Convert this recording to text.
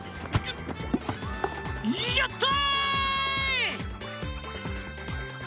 やった！